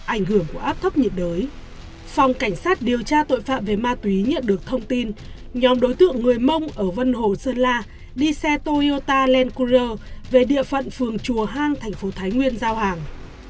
ảnh hưởng của áp thấp nhiệt đới phòng cảnh sát điều tra tội phạm về ma túy nhận được thông tin nhóm đối tượng người mông ở vân hồ sơn la đi xe toyota len kure về địa phận phường chùa hang thành phố thái nguyên giao hàng